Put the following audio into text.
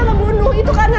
dia gak bunuh itu karena